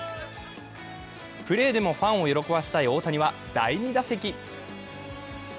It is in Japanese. プレーでもファンを喜ばせたい大谷は第２打席。